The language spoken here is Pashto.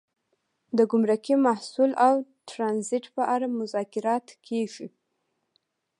د ګمرکي محصول او ټرانزیټ په اړه مذاکرات کیږي